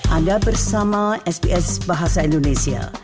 anda bersama sps bahasa indonesia